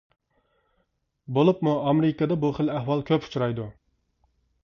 بولۇپمۇ ئامېرىكىدا بۇ خىل ئەھۋال كۆپ ئۇچرايدۇ.